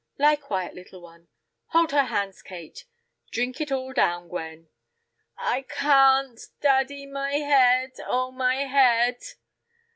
"Lie quiet, little one. Hold her hands, Kate. Drink it all down, Gwen." "I can't! Daddy, my head, oh, my head!"